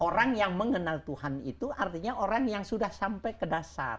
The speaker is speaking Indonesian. orang yang mengenal tuhan itu artinya orang yang sudah sampai ke dasar